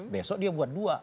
besok dia buat dua